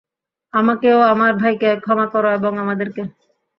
আমাকে ও আমার ভাইকে ক্ষমা কর এবং আমাদেরকে।